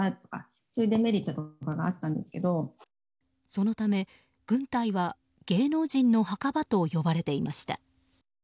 そのため、軍隊は芸能人の墓場と呼ばれていました。